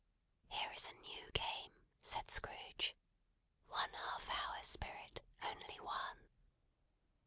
"Here is a new game," said Scrooge. "One half hour, Spirit, only one!"